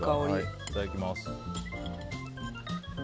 いただきます。